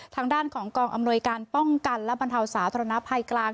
ทางด้านของกองอำนวยการป้องกันและบรรเทาสาธารณภัยกลาง